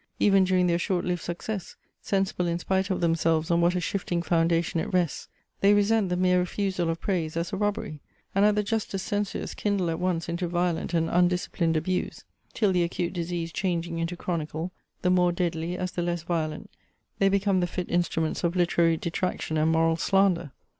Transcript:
Even during their short lived success, sensible in spite of themselves on what a shifting foundation it rests, they resent the mere refusal of praise as a robbery, and at the justest censures kindle at once into violent and undisciplined abuse; till the acute disease changing into chronical, the more deadly as the less violent, they become the fit instruments of literary detraction and moral slander.